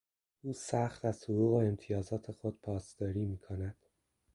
او سخت از حقوق و امتیازات خود پاسداری میکند.